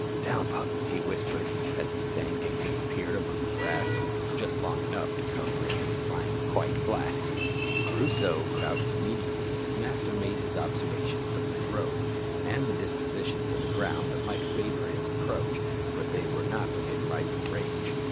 "Down, pup!" he whispered, as he sank and disappeared among the grass, which was just long enough to cover him when lying quite flat. Crusoe crouched immediately, and his master made his observations of the drove, and the dispositions of the ground that might favour his approach, for they were not within rifle range.